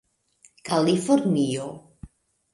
kalifornio